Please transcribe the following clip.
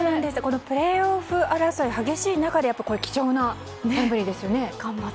プレーオフ争い、激しい中で貴重なタイムリーですよね。